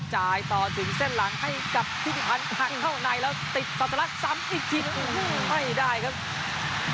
เส้นหลังให้กับพิธีพันธ์หักเข้าในแล้วติดสาธารักษ์ซ้ำอีกที